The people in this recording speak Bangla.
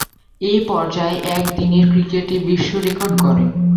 এ পর্যায়ে একদিনের ক্রিকেটে বিশ্বরেকর্ড গড়েন।